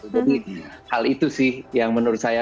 jadi hal itu sih yang menurut saya